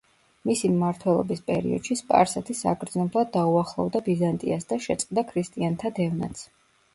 მისი მმართველობის პერიოდში სპარსეთი საგრძნობლად დაუახლოვდა ბიზანტიას და შეწყდა ქრისტიანთა დევნაც.